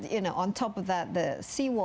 panggung laut besar bisa